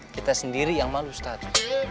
kita sendiri yang malu ustadz